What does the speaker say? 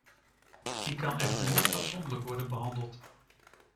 Die kan echter niet afzonderlijk worden behandeld.